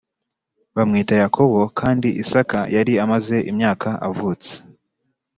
bamwita Yakobo Kandi Isaka yari amaze imyaka avutse.